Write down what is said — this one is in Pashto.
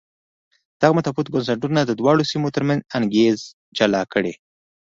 دغه متفاوت بنسټونه د دواړو سیمو ترمنځ انګېزې جلا کړې.